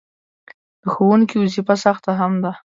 د ښوونکي وظیفه سخته هم ده.